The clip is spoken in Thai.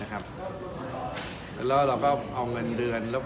แล้วเราก็เอาเงินเดือน